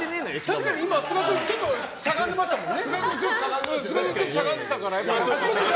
確かに今、須賀君ちょっとしゃがんでましたね。